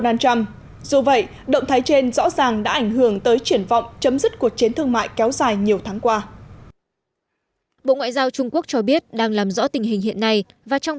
nhiều tháng qua bộ ngoại giao trung quốc cho biết đang làm rõ tình hình hiện nay và trong